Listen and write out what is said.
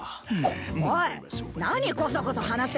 おい何コソコソ話してる。